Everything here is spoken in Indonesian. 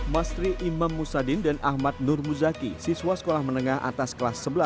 mastri imam musadin dan ahmad nur muzaki siswa sekolah menengah atas kelas sebelas